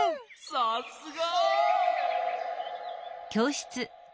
さすが！